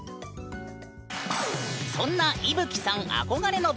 そんないぶきさん憧れの場所